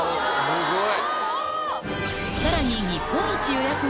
すごい。